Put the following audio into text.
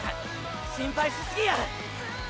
心配しすぎや。